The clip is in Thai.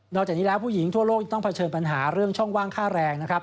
จากนี้แล้วผู้หญิงทั่วโลกยังต้องเผชิญปัญหาเรื่องช่องว่างค่าแรงนะครับ